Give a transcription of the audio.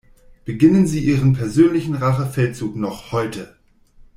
Beginnen Sie Ihren persönlichen Rachefeldzug noch heute!